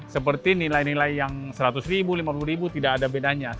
seperti nilai nilai yang seratus ribu lima puluh ribu tidak ada bedanya